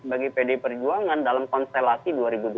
bagi pdi perjuangan dalam konstelasi dua ribu dua puluh